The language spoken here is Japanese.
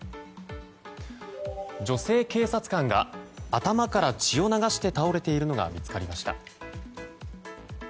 女性警察官が頭から血を流して倒れているのが見つかりました。